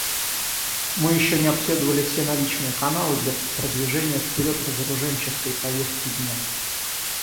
Мы еще не обследовали все наличные каналы для продвижения вперед разоруженческой повестки дня.